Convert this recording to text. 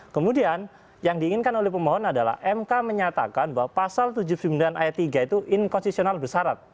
kemudian yang diinginkan oleh pemohon adalah mk menyatakan bahwa pasal tujuh puluh sembilan ayat tiga itu inkonstitusional bersarat